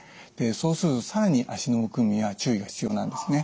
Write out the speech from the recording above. そうすると更に脚のむくみには注意が必要なんですね。